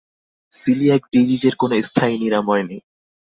Coeliac ডিজিজের কোনো স্থায়ী নিরাময় নেই।